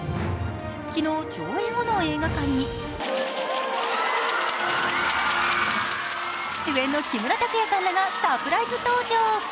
昨日、上演後の映画館に主演の木村拓也さんらがサプライズ登場。